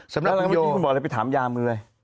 สำหรับคุณโยงคุณบอกอะไรไปถามยามือเลย